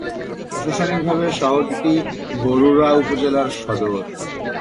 প্রশাসনিকভাবে শহরটি বরুড়া উপজেলার সদর।